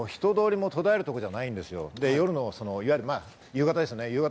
人通りも途絶えるほどじゃないんですよ。